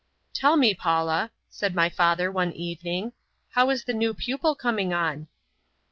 "Tell me, Paula," said my father one evening, "how is the new pupil coming on?"